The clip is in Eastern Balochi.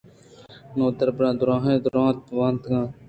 نودربراں دْراھیں درونت ونتگ اَنت۔